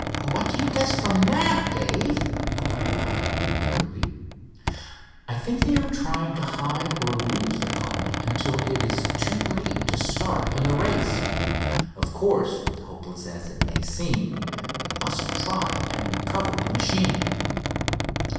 "What do you guess from that, Dave?" inquired Hiram, eagerly. "I think they are trying to hide or lose the Comet until it is too late to start in the race. Of course, hopeless as it may seem, we must try and recover the machine."